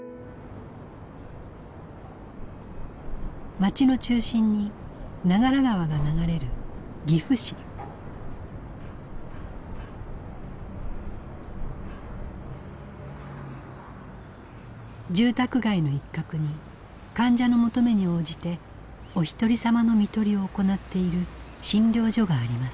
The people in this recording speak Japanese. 街の中心に長良川が流れる住宅街の一角に患者の求めに応じておひとりさまの看取りを行っている診療所があります。